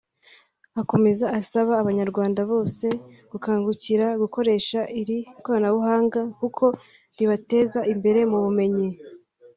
Akomeza asaba abanyarwanda bose gukangukira gukoresha iri koranabuhanga kuko ribateza imbere mu bumenyi